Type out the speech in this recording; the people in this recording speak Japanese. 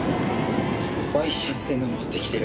ワイシャツで登ってきてる。